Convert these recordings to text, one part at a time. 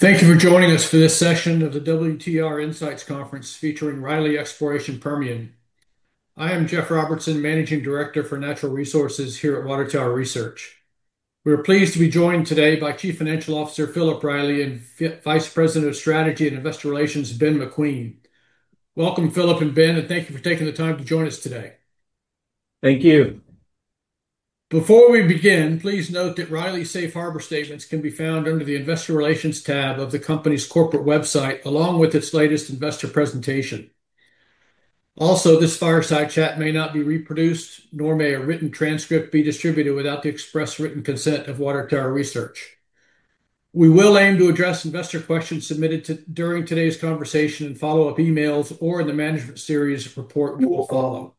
Thank you for joining us for this session of the WTR Insights Conference featuring Riley Exploration Permian. I am Jeff Robertson, Managing Director for Natural Resources here at Water Tower Research. We are pleased to be joined today by Chief Financial Officer, Philip Riley, and Vice President of Strategy and Investor Relations, Ben McQueen. Welcome, Philip and Ben, and thank you for taking the time to join us today. Thank you. Before we begin, please note that Riley's Safe Harbor statements can be found under the Investor Relations tab of the company's corporate website, along with its latest investor presentation. Also, this fireside chat may not be reproduced, nor may a written transcript be distributed without the express written consent of Water Tower Research. We will aim to address investor questions submitted during today's conversation in follow-up emails or in the Management Series report we will follow.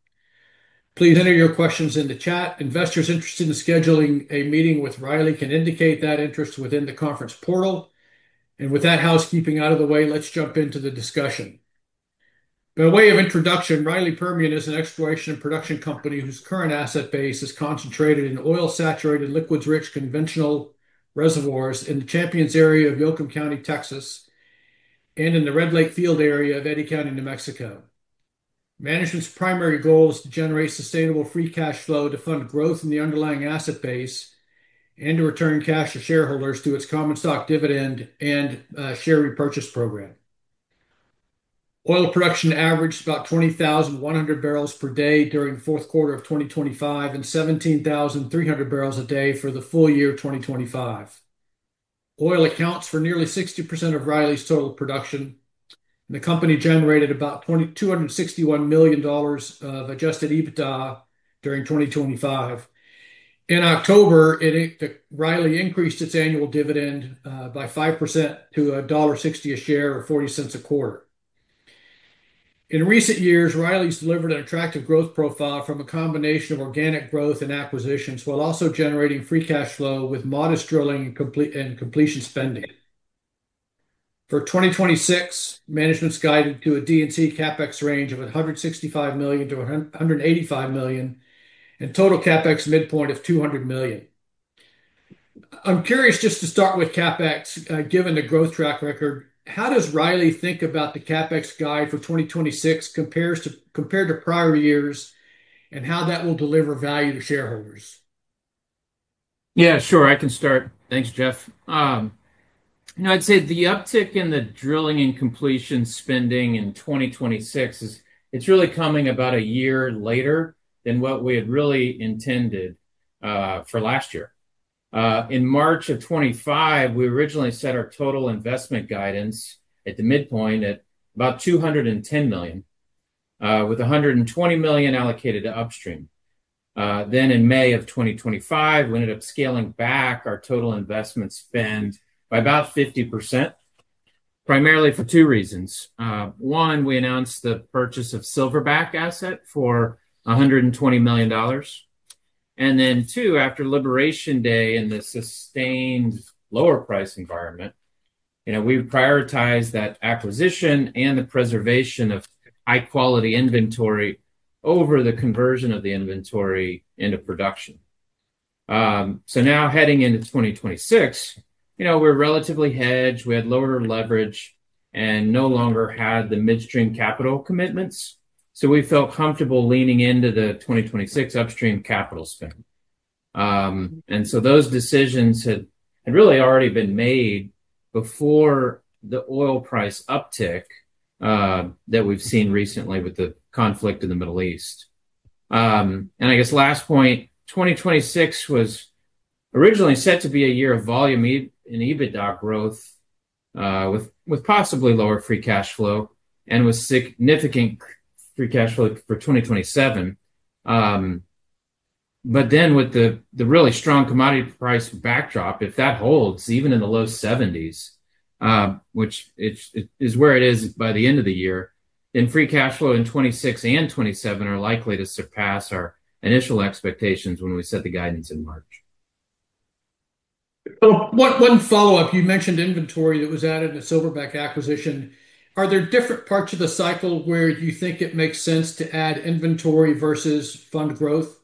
Please enter your questions in the chat. Investors interested in scheduling a meeting with Riley can indicate that interest within the conference portal. With that housekeeping out of the way, let's jump into the discussion. By way of introduction, Riley Permian is an exploration and production company whose current asset base is concentrated in oil-saturated, liquids-rich, conventional reservoirs in the Champions area of Yoakum County, Texas, and in the Red Lake Field area of Eddy County, New Mexico. Management's primary goal is to generate sustainable free cash flow to fund growth in the underlying asset base and to return cash to shareholders through its common stock dividend and share repurchase program. Oil production averaged about 20,100 barrels per day during the fourth quarter of 2023 and 17,300 barrels a day for the full year of 2023. Oil accounts for nearly 60% of Riley's total production, and the company generated about $261 million of adjusted EBITDA during 2023. In October, Riley increased its annual dividend by 5% to $1.60 a share or $0.40 a quarter. In recent years, Riley's delivered an attractive growth profile from a combination of organic growth and acquisitions while also generating free cash flow with modest drilling and completion spending. For 2026, management's guided to a D&C CapEx range of $165 million-$185 million, and total CapEx midpoint of $200 million. I'm curious just to start with CapEx. Given the growth track record, how does Riley think about the CapEx guide for 2026 compared to prior years and how that will deliver value to shareholders? Yeah, sure. I can start. Thanks, Jeff. I'd say the uptick in the drilling and completion spending in 2026, it's really coming about a year later than what we had really intended for last year. In March of 2023, we originally set our total investment guidance at the midpoint at about $210 million, with $120 million allocated to upstream. In May of 2023, we ended up scaling back our total investment spend by about 50%, primarily for two reasons. One, we announced the purchase of Silverback asset for $120 million. Two, after uncertain in the sustained lower price environment, we would prioritize that acquisition and the preservation of high-quality inventory over the conversion of the inventory into production. Now heading into 2026, we're relatively hedged. We had lower leverage and no longer had the midstream capital commitments, so we felt comfortable leaning into the 2026 upstream capital spend. Those decisions had really already been made before the oil price uptick that we've seen recently with the conflict in the Middle East. I guess last point, 2026 was originally set to be a year of volume and EBITDA growth, with possibly lower free cash flow and with significant free cash flow for 2027. With the really strong commodity price backdrop, if that holds even in the low $70s, which is where it is by the end of the year, then free cash flow in 2026 and 2027 are likely to surpass our initial expectations when we set the guidance in March. One follow-up. You mentioned inventory that was added in a Silverback acquisition. Are there different parts of the cycle where you think it makes sense to add inventory versus fund growth?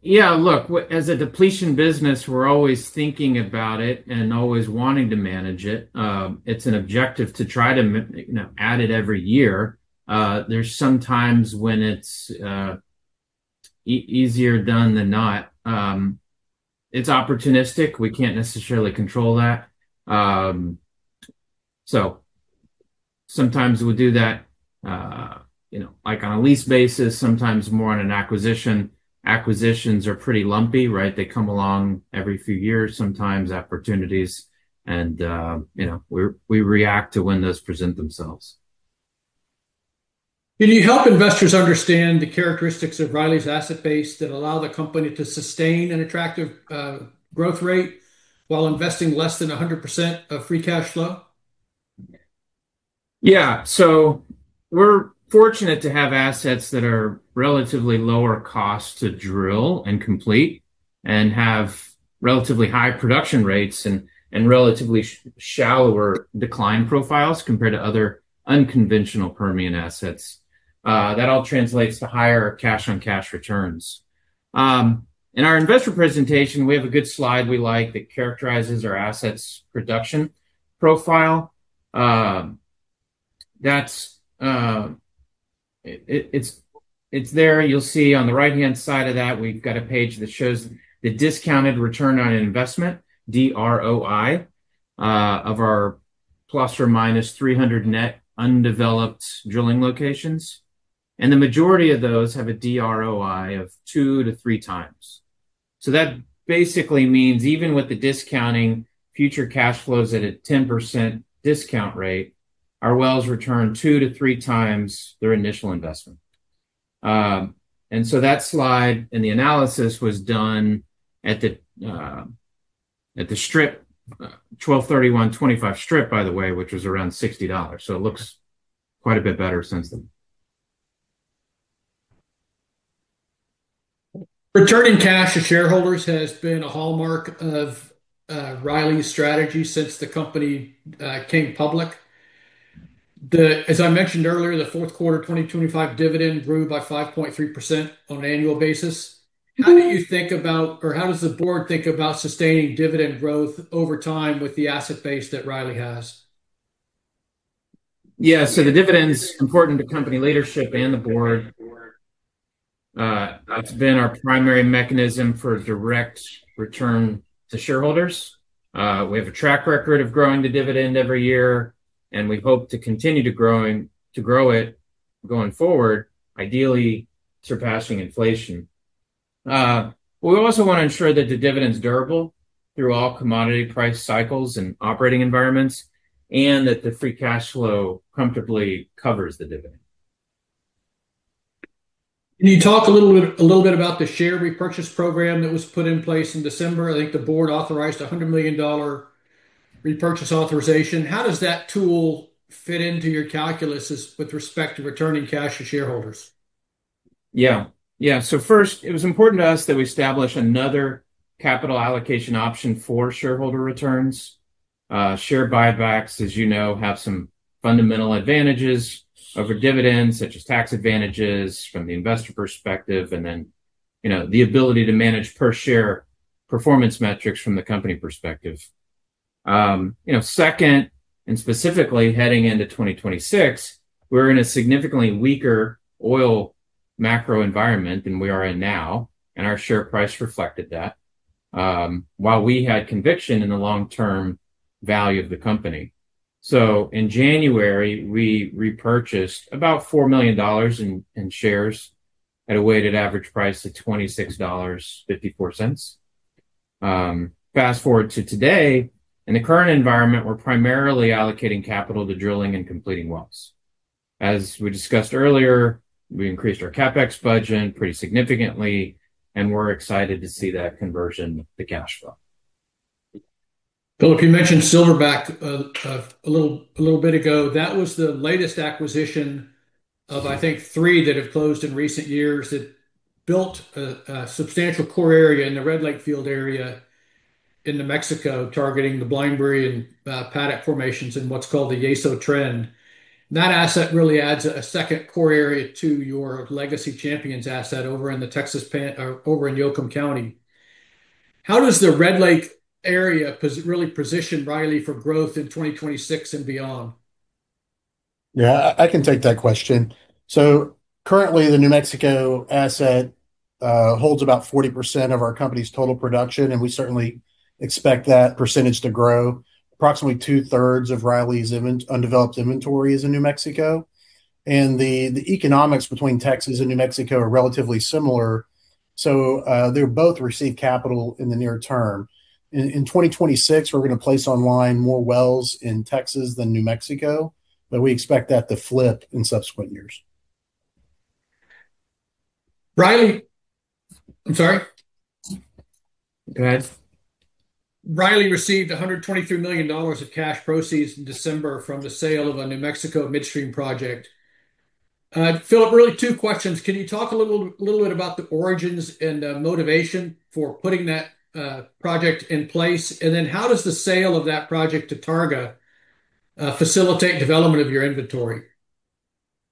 Yeah. Look, as a depletion business, we're always thinking about it and always wanting to manage it. It's an objective to try to add it every year. There's some times when it's easier done than not. It's opportunistic. We can't necessarily control that. Sometimes we'll do that, like on a lease basis, sometimes more on an acquisition. Acquisitions are pretty lumpy, right? They come along every few years sometimes, opportunities, and we react to when those present themselves. Can you help investors understand the characteristics of Riley's asset base that allow the company to sustain an attractive growth rate while investing less than 100% of free cash flow? Yeah. We're fortunate to have assets that are relatively lower cost to drill and complete and have relatively high production rates and relatively shallower decline profiles compared to other unconventional Permian assets. That all translates to higher cash-on-cash returns. In our investor presentation, we have a good slide we like that characterizes our assets' production profile. It's there. You'll see on the right-hand side of that, we've got a page that shows the discounted return on investment, DROI, of our ±300 net undeveloped drilling locations. The majority of those have a DROI of 2-3 times. That basically means even with the discounting future cash flows at a 10% discount rate, our wells return 2-3 times their initial investment. That slide and the analysis was done at the strip, 12/31/2023 strip, by the way, which was around $60. It looks quite a bit better since then. Returning cash to shareholders has been a hallmark of Riley's strategy since the company came public. As I mentioned earlier, the fourth quarter 2023 dividend grew by 5.3% on an annual basis. Mm-hmm. How do you think about, or how does the Board think about sustaining dividend growth over time with the asset base that Riley has? Yeah. The dividend's important to company leadership and the Board. That's been our primary mechanism for direct return to shareholders. We have a track record of growing the dividend every year, and we hope to continue to grow it going forward, ideally surpassing inflation. We also want to ensure that the dividend's durable through all commodity price cycles and operating environments, and that the free cash flow comfortably covers the dividend. Can you talk a little bit about the share repurchase program that was put in place in December? I think the Board authorized a $100 million repurchase authorization. How does that tool fit into your calculus with respect to returning cash to shareholders? Yeah. First, it was important to us that we establish another capital allocation option for shareholder returns. Share buybacks, as you know, have some fundamental advantages over dividends, such as tax advantages from the investor perspective, and then the ability to manage per share performance metrics from the company perspective. Second, and specifically heading into 2026, we're in a significantly weaker oil macro environment than we are in now, and our share price reflected that while we had conviction in the long-term value of the company. In January, we repurchased about $4 million in shares at a weighted average price of $26.54. Fast-forward to today, in the current environment, we're primarily allocating capital to drilling and completing wells. As we discussed earlier, we increased our CapEx budget pretty significantly, and we're excited to see that conversion to cash flow. Philip, you mentioned Silverback a little bit ago. That was the latest acquisition of, I think, three that have closed in recent years that built a substantial core area in the Red Lake Field area in New Mexico, targeting the Blinebry and Paddock formations in what's called the Yeso Trend. That asset really adds a second core area to your legacy Champions asset over in Yoakum County. How does the Red Lake area really position Riley for growth in 2026 and beyond? Yeah, I can take that question. Currently, the New Mexico asset holds about 40% of our company's total production, and we certainly expect that percentage to grow. Approximately 2/3 of Riley's undeveloped inventory is in New Mexico. The economics between Texas and New Mexico are relatively similar, so they'll both receive capital in the near term. In 2026, we're going to place online more wells in Texas than New Mexico, but we expect that to flip in subsequent years. Riley. I'm sorry. Go ahead. Riley received $123 million of cash proceeds in December from the sale of a New Mexico midstream project. Philip, really two questions. Can you talk a little bit about the origins and motivation for putting that project in place? How does the sale of that project to Targa facilitate development of your inventory?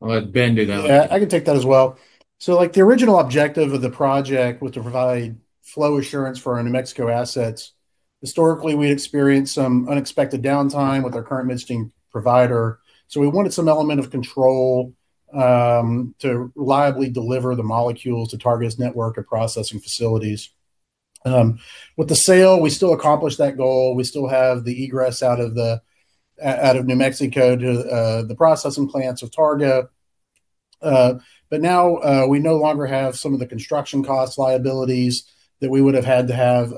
I'll let Ben do that one. Yeah, I can take that as well. The original objective of the project was to provide flow assurance for our New Mexico assets. Historically, we experienced some unexpected downtime with our current midstream provider, so we wanted some element of control to reliably deliver the molecules to Targa's network of processing facilities. With the sale, we still accomplished that goal. We still have the egress out of New Mexico to the processing plants with Targa. Now, we no longer have some of the construction cost liabilities that we would have had to have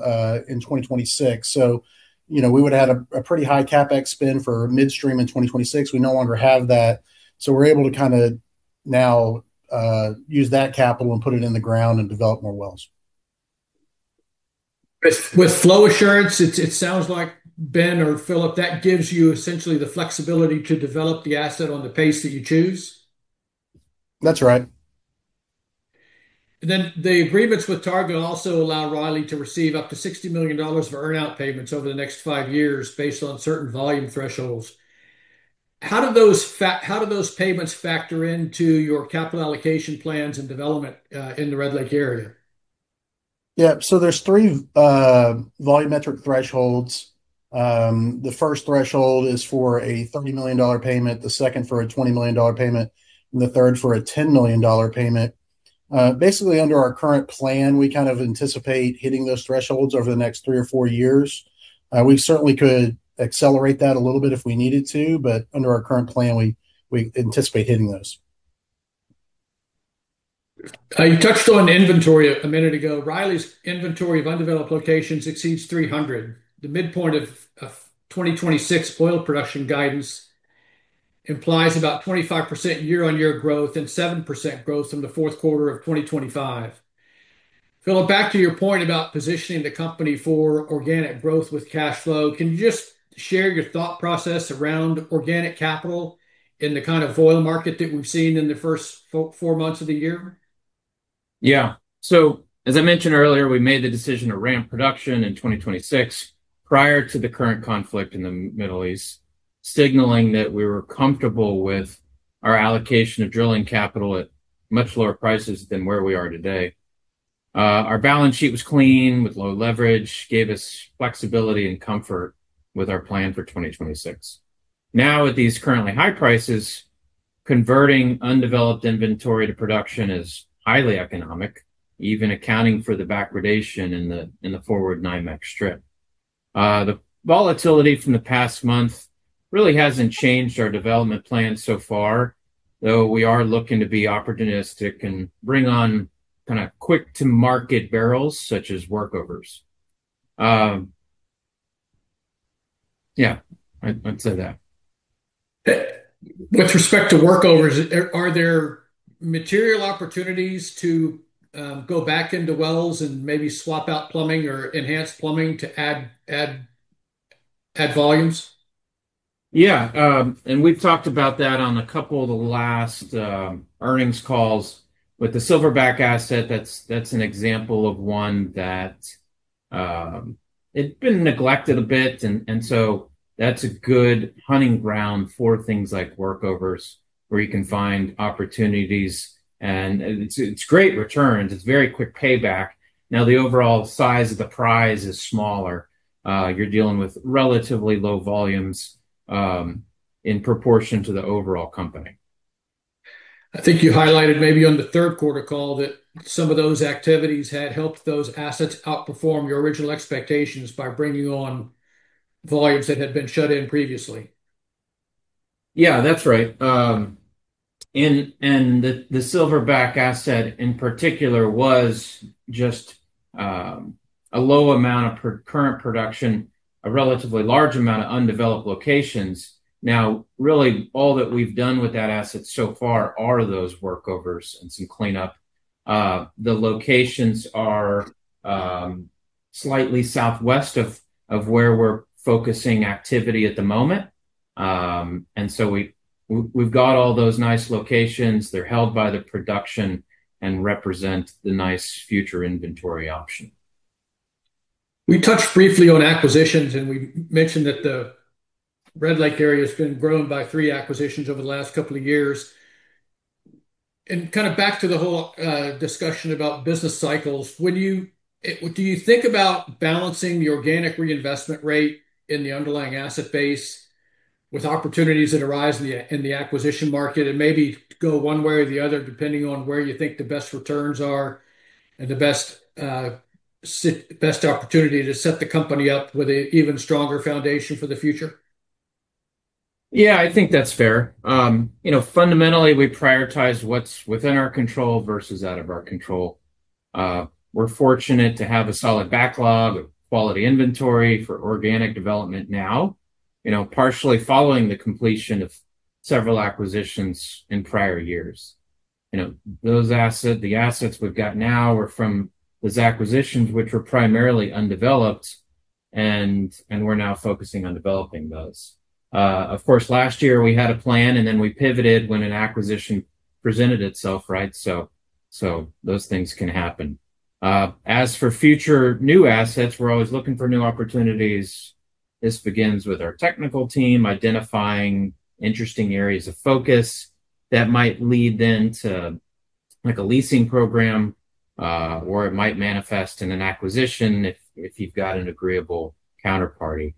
in 2026. We would have had a pretty high CapEx spend for midstream in 2026. We no longer have that. We're able to now use that capital and put it in the ground and develop more wells. With flow assurance, it sounds like, Ben or Philip, that gives you essentially the flexibility to develop the asset on the pace that you choose? That's right. The agreements with Targa also allow Riley to receive up to $60 million of earn-out payments over the next five years based on certain volume thresholds. How do those payments factor into your capital allocation plans and development in the Red Lake area? Yeah. There's three volumetric thresholds. The first threshold is for a $30 million payment, the second for a $20 million payment, and the third for a $10 million payment. Basically, under our current plan, we kind of anticipate hitting those thresholds over the next three or four years. We certainly could accelerate that a little bit if we needed to, but under our current plan, we anticipate hitting those. You touched on inventory a minute ago. Riley's inventory of undeveloped locations exceeds 300. The midpoint of 2026 oil production guidance implies about 25% year-on-year growth and 7% growth from the fourth quarter of 2023. Philip, back to your point about positioning the company for organic growth with cash flow, can you just share your thought process around organic capital in the kind of oil market that we've seen in the first four months of the year? Yeah. As I mentioned earlier, we made the decision to ramp production in 2026 prior to the current conflict in the Middle East, signaling that we were comfortable with our allocation of drilling capital at much lower prices than where we are today. Our balance sheet was clean with low leverage, gave us flexibility and comfort with our plan for 2026. Now, with these currently high prices, converting undeveloped inventory to production is highly economic, even accounting for the backwardation in the forward NYMEX strip. The volatility from the past month really hasn't changed our development plans so far, though we are looking to be opportunistic and bring on quick to market barrels such as workovers. Yeah, I'd say that. With respect to workovers, are there material opportunities to go back into wells and maybe swap out plumbing or enhance plumbing to add volumes? Yeah. We've talked about that on a couple of the last earnings calls. With the Silverback asset, that's an example of one that it'd been neglected a bit, and so that's a good hunting ground for things like workovers, where you can find opportunities, and it's great returns. It's very quick payback. Now, the overall size of the prize is smaller. You're dealing with relatively low volumes in proportion to the overall company. I think you highlighted maybe on the third quarter call that some of those activities had helped those assets outperform your original expectations by bringing on volumes that had been shut in previously. Yeah, that's right. The Silverback asset, in particular, was just a low amount of current production, a relatively large amount of undeveloped locations. Now, really all that we've done with that asset so far are those workovers and some cleanup. The locations are slightly southwest of where we're focusing activity at the moment. We've got all those nice locations. They're held by the production and represent the nice future inventory option. We touched briefly on acquisitions, and we mentioned that the Red Lake area has been grown by three acquisitions over the last couple of years. Back to the whole discussion about business cycles, do you think about balancing the organic reinvestment rate in the underlying asset base with opportunities that arise in the acquisition market and maybe go one way or the other, depending on where you think the best returns are and the best opportunity to set the company up with an even stronger foundation for the future? Yeah, I think that's fair. Fundamentally, we prioritize what's within our control versus out of our control. We're fortunate to have a solid backlog of quality inventory for organic development now, partially following the completion of several acquisitions in prior years. The assets we've got now are from those acquisitions, which were primarily undeveloped, and we're now focusing on developing those. Of course, last year we had a plan, and then we pivoted when an acquisition presented itself, right? Those things can happen. As for future new assets, we're always looking for new opportunities. This begins with our technical team identifying interesting areas of focus that might lead then to a leasing program, or it might manifest in an acquisition if you've got an agreeable counterparty.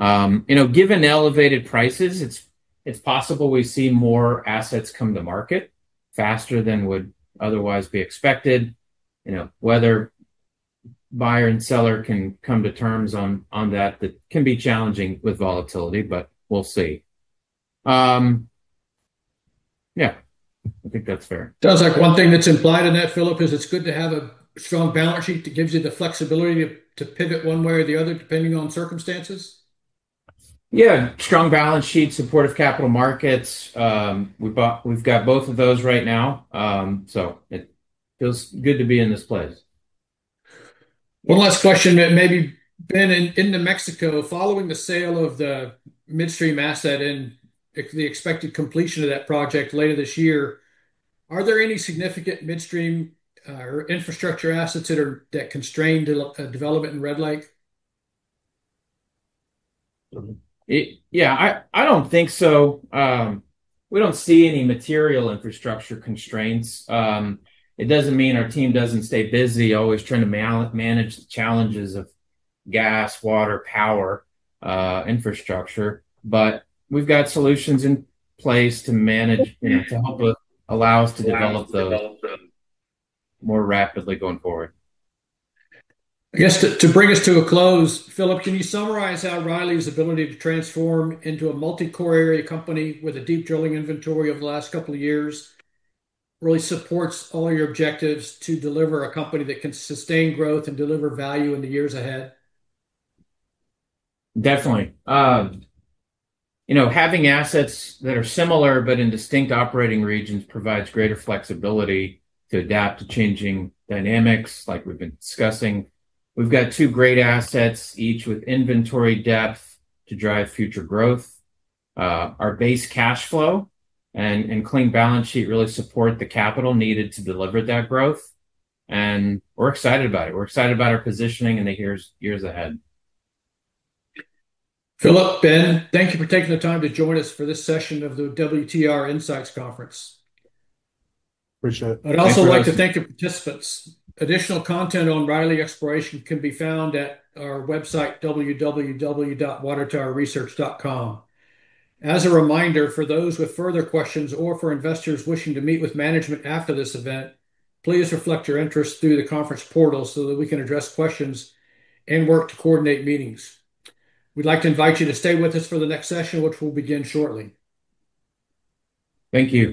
Given the elevated prices, it's possible we see more assets come to market faster than would otherwise be expected. Whether buyer and seller can come to terms on that can be challenging with volatility, but we'll see. Yeah. I think that's fair. It sounds like one thing that's implied in that, Philip, is it's good to have a strong balance sheet that gives you the flexibility to pivot one way or the other, depending on circumstances? Yeah, strong balance sheet, supportive capital markets, we've got both of those right now. It feels good to be in this place. One last question that maybe, Ben, in New Mexico, following the sale of the midstream asset and the expected completion of that project later this year, are there any significant midstream or infrastructure assets that constrain development in Red Lake? Yeah, I don't think so. We don't see any material infrastructure constraints. It doesn't mean our team doesn't stay busy, always trying to manage the challenges of gas, water, power infrastructure. We've got solutions in place to manage and to help allow us to develop those more rapidly going forward. I guess to bring us to a close, Philip, can you summarize how Riley's ability to transform into a multi-core area company with a deep drilling inventory over the last couple of years really supports all your objectives to deliver a company that can sustain growth and deliver value in the years ahead? Definitely. Having assets that are similar but in distinct operating regions provides greater flexibility to adapt to changing dynamics, like we've been discussing. We've got two great assets, each with inventory depth to drive future growth. Our base cash flow and clean balance sheet really support the capital needed to deliver that growth, and we're excited about it. We're excited about our positioning in the years ahead. Philip, Ben, thank you for taking the time to join us for this session of the WTR Insights Conference. Appreciate it. I'd also like to thank the participants. Additional content on Riley Exploration can be found at our website, www.watertowerresearch.com. As a reminder, for those with further questions or for investors wishing to meet with Management after this event, please reflect your interest through the conference portal so that we can address questions and work to coordinate meetings. We'd like to invite you to stay with us for the next session, which will begin shortly. Thank you.